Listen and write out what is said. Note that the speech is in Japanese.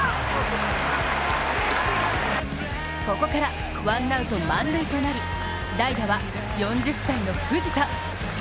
ここからワンアウト満塁となり代打は４０歳の藤田。